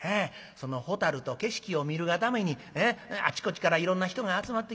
そのホタルと景色を見るがためにあちこちからいろんな人が集まってきまんねん。